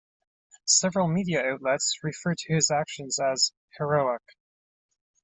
Several media outlets referred to his actions as "heroic".